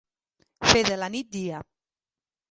Fer de la nit dia.